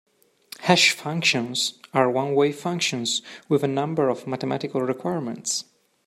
Hash functions are one-way functions with a number of mathematical requirements.